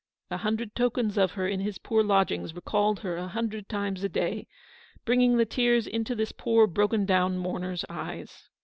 A hundred tokens of her in his poor lodgings recalled her a hundred times a day, bringing the tears into this poor broken down mourner's eyes.